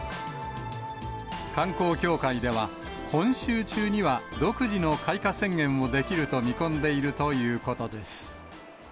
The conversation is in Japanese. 観光協会では、今週中には、独自の開花宣言をできると見込んでいるということです。